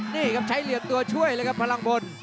นี่ครับใช้เหลี่ยมตัวช่วยเลยครับพลังพล